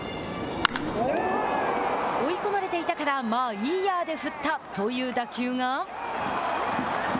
追い込まれていたから「まあいいやー」で振ったという打球が。